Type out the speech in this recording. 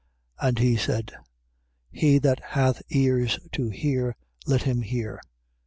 4:9. And he said: He that hath ears to hear, let him hear.